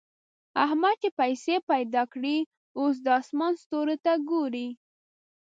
احمد چې پيسې پیدا کړې؛ اوس د اسمان ستورو ته ګوري.